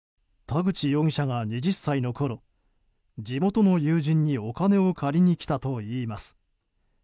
田口容疑者が２０歳のころ地元の友人にお金を借りに来たといいます。